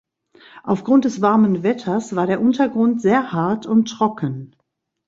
Aufgrund des warmen Wetters war der Untergrund sehr hart und trocken.